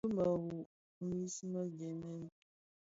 Bi mëru mis më gènè.